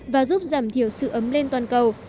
và giúp giảm thiểu sự ấm lên toàn cầu